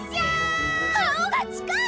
顔が近い！